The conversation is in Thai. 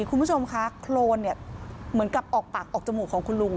คุณผู้ชมคะโครนเนี่ยเหมือนกับออกปากออกจมูกของคุณลุง